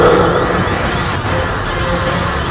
kenapa begitu p talent kita